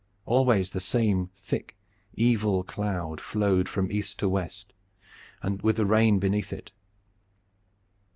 Always the same thick evil cloud flowed from east to west with the rain beneath it.